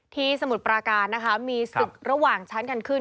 สมุทรปราการนะคะมีศึกระหว่างชั้นกันขึ้น